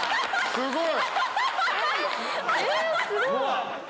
すごい。